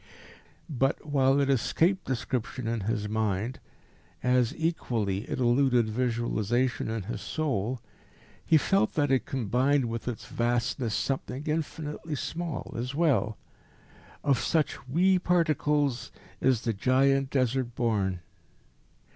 But, while it escaped description in his mind, as equally it eluded visualisation in his soul, he felt that it combined with its vastness something infinitely small as well. Of such wee particles is the giant Desert born....